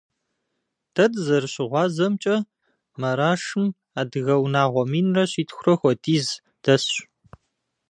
Дэ дызэрыщыгъуазэмкӀэ, Марашым адыгэ унагъуэ минрэ щитхурэ хуэдиз дэсщ.